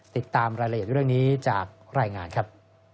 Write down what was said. ติดตามรายละเอียดเรื่องนี้จากรายงานครับ